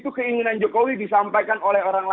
itu keinginan jokowi disampaikan oleh orang lain